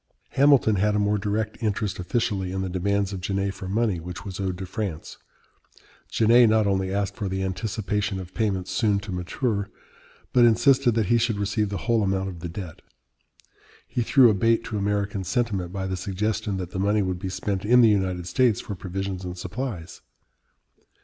Hamilton had a more direct interest officially in the demands of Genet for money which was owed to France. Genet not only asked for the anticipation of payments soon to mature, but insisted that he should receive the whole amount of the debt. He threw a bait to American sentiment by the suggestion that the money would be spent in the United States for provisions and supplies.